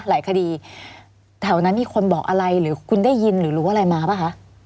หลายคดีแถวนั้นมีคนบอกอะไรหรือคุณได้ยินหรือรู้อะไรมาป่ะคะ